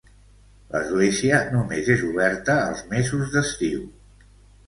L'església només és oberta els mesos d'estiu.